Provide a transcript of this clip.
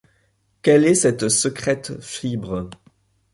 Quelle est cette secrète fibre ?